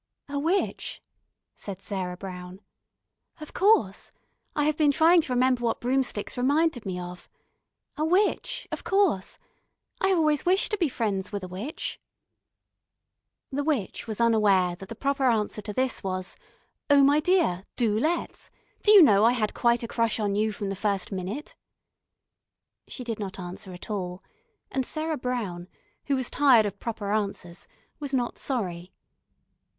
"A witch," said Sarah Brown. "Of course. I have been trying to remember what broomsticks reminded me of. A witch, of course. I have always wished to be friends with a witch." The witch was unaware that the proper answer to this was: "Oh, my Dear, do let's. Do you know I had quite a crush on you from the first minute." She did not answer at all, and Sarah Brown, who was tired of proper answers, was not sorry.